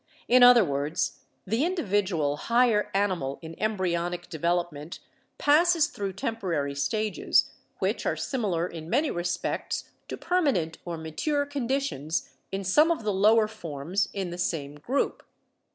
In other words, the individual higher animal in embryonic development passes through temporary stages, which are similar in many respects to permanent or mature conditions in some of the lower forms in the same group.